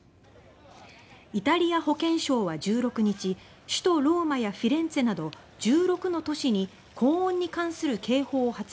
イタリア保健省は１６日首都ローマやフィレンツェなど１６の都市に高温に関する警報を発令しました。